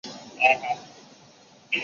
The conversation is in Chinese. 一切国家与中国的贸易机会均等。